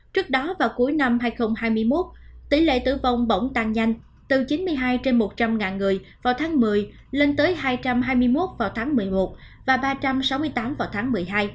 trước đó vào cuối năm hai nghìn hai mươi một tỷ lệ tử vong bỏng tăng nhanh từ chín mươi hai trên một trăm linh người vào tháng một mươi lên tới hai trăm hai mươi một vào tháng một mươi một và ba trăm sáu mươi tám vào tháng một mươi hai